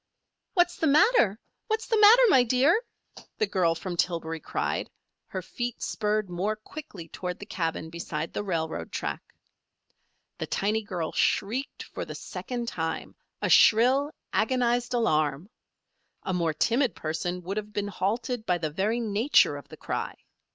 "What's the matter? What's the matter, my dear?" the girl from Tillbury cried, her feet spurred more quickly toward the cabin beside the railroad track. The tiny girl shrieked for the second time a shrill, agonized alarm. A more timid person would have been halted by the very nature of the cry.